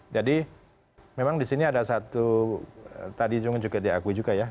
jadi memang disini ada satu tadi juga diakui juga ya